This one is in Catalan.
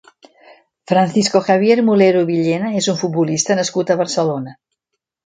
Francisco Javier Mulero Villena és un futbolista nascut a Barcelona.